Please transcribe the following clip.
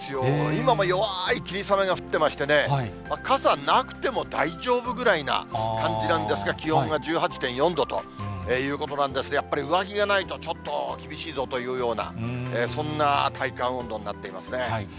今も弱い霧雨が降ってましてね、傘なくても大丈夫ぐらいな感じなんですが、気温が１８．４度ということなんですが、やっぱり上着がないと、ちょっと厳しいぞというような、そんな体感温度になっていますね。